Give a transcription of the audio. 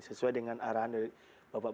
sesuai dengan arahan dari bapak bapak